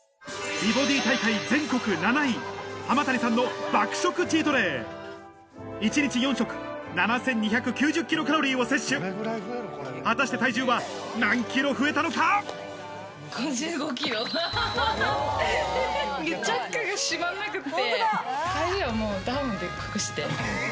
美ボディ大会全国７位濱谷さんの爆食チートデイ１日４食７２９０ｋｃａｌを摂取果たして体重は何ｋｇ増えたのか⁉チャックが閉まんなくて。